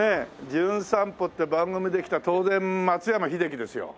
『じゅん散歩』って番組で来た当然松山英樹ですよ。